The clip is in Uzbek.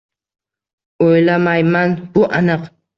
-O’ylamayman. Bu aniq.